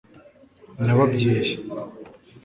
nyababyeyi